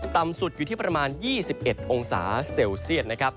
ต่ำสุดอยู่ที่ประมาณ๒๑องศาเซลเซียตนะครับ